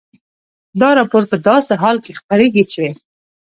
دا راپور په داسې حال کې خپرېږي چې